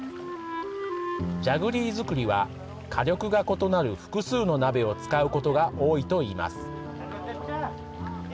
ジャグリー作りは火力が異なる複数の鍋を使うことが多いといいます。